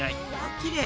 きれい。